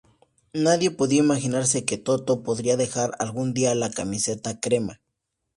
Nadie podía imaginarse que "Toto" podría dejar algún día la camiseta crema.